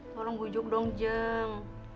tolong hujuk dong jeng